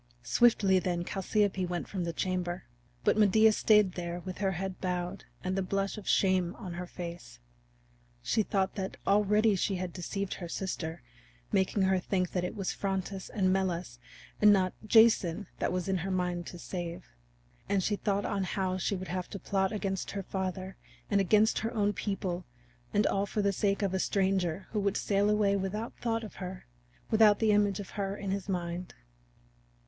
Swiftly then Chalciope went from the chamber. But Medea stayed there with her head bowed and the blush of shame on her face. She thought that already she had deceived her sister, making her think that it was Phrontis and Melas and not Jason that was in her mind to save. And she thought on how she would have to plot against her father and against her own people, and all for the sake of a stranger who would sail away without thought of her, without the image of her in his mind.